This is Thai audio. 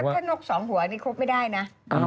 ถ้านกสองหัวนี่ครบไม่ได้นะ